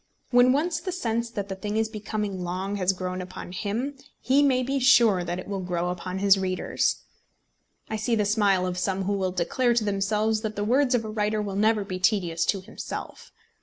When once the sense that the thing is becoming long has grown upon him, he may be sure that it will grow upon his readers. I see the smile of some who will declare to themselves that the words of a writer will never be tedious to himself.